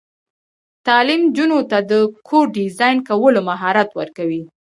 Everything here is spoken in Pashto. تعلیم نجونو ته د کور ډیزاین کولو مهارت ورکوي.